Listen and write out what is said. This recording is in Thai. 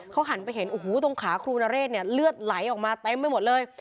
เขาหันไปเห็นโอ้โหตรงขาครูนเรศเนี่ยเลือดไหลออกมาเต็มไปหมดเลย